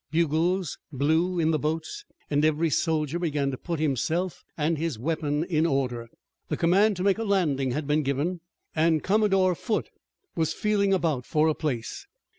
Bugles blew in the boats, and every soldier began to put himself and his weapons in order. The command to make a landing had been given, and Commodore Foote was feeling about for a place.